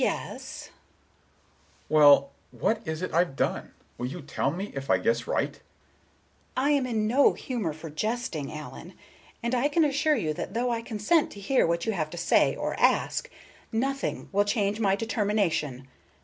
Mr. Richards: "Well, what is it I've done? Will you tell me if I guess right?" Miss Galbraith, with dignity: "I am in no humor for jesting, Allen. And I can assure you that though I consent to hear what you have to say, or ask, nothing will change my determination.